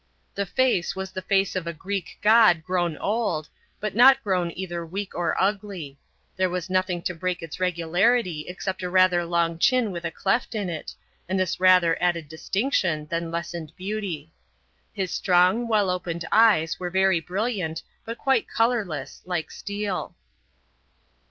The face was the face of a Greek god grown old, but not grown either weak or ugly; there was nothing to break its regularity except a rather long chin with a cleft in it, and this rather added distinction than lessened beauty. His strong, well opened eyes were very brilliant but quite colourless like steel.